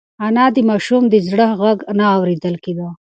انا ته د ماشوم د زړه غږ نه اورېدل کېده.